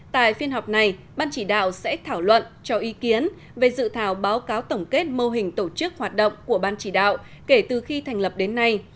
tại phiên họp này ban chỉ đạo sẽ thảo luận cho ý kiến về dự thảo báo cáo tổng kết mô hình tổ chức hoạt động của ban chỉ đạo kể từ khi thành lập đến nay